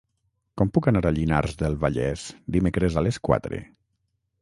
Com puc anar a Llinars del Vallès dimecres a les quatre?